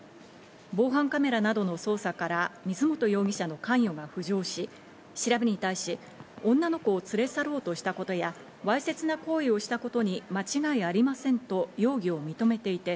防犯カメラなどの捜査から水本容疑者の関与が浮上し、調べに対し、女の子を連れ去ろうとしたことや、わいせつな行為をしたことに間違いありませんと容疑を認めていて、